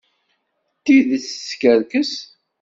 Deg tidet, teskerkes.